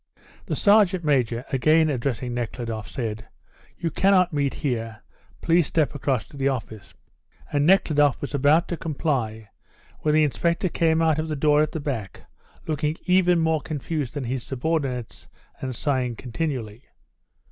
The sergeant major, again addressing Nekhludoff, said: "You cannot meet here; please step across to the office." And Nekhludoff was about to comply when the inspector came out of the door at the back, looking even more confused than his subordinates, and sighing continually.